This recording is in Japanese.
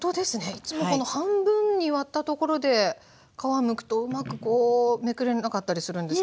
いつもこの半分に割ったところで皮むくとうまくこうめくれなかったりするんですけど。